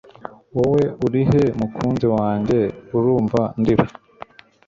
Wowe urihe mukunzi wanjye Urumva ndira